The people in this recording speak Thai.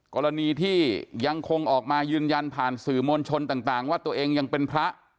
กรณีที่ยังคงออกมายืนยันผ่านสื่อมวลชนต่างว่าตัวเองยังเป็นพระ